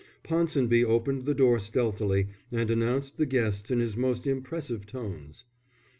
Ponsonby opened the door stealthily and announced the guests in his most impressive tones.